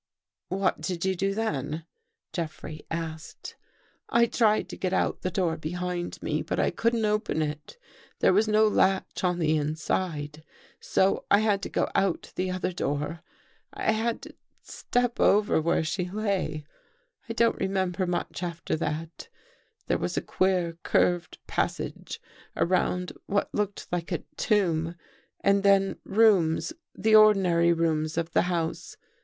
" What did you do then? " Jeffrey asked. " I tried to get out the door behind me, but I couldn't open it. There was no latch on the inside. So I had to go out the other door. I had to step over her where she lay. I don't remember much after that. There was a queer curved passage around what looked like a tomb, and then rooms — the ordinary rooms of the house.